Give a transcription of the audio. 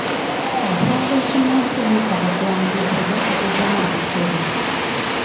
Abasawo b'ekinnansi beetaaga kuwandiisibwa okuggyamu abafere.